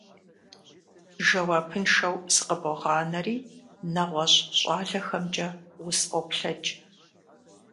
Жэуапыншэу сыкъыбогъанэри, нэгъуэщӀ щӀалэхэмкӀэ усфӀоплъэкӀ.